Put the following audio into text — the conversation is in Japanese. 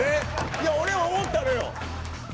いや俺も思ったのよ。